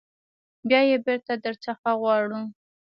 بیا یې بیرته در څخه غواړو.